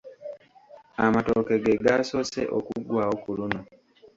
Amatooke ge gaasoose okuggwaawo ku luno.